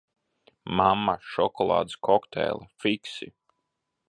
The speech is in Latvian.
Mamma, šokolādes kokteili, fiksi!